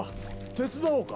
手伝おうか？